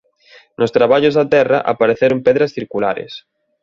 Nos traballos da terra apareceron pedras circulares.